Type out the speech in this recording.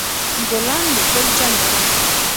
ګلان د ګل جمع ده